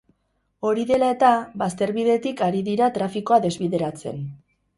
Hori dela eta, bazterbidetik ari dira trafikoa desbideratzen.